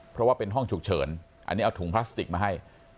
เพราะว่าเป็นห้องฉุกเฉินอันนี้เอาถุงพลาสติกมาให้